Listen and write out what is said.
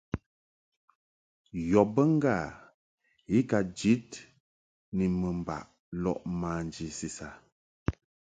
Yɔ be ŋgâ i ka jid ni mɨmbaʼ lɔʼ manji sisa.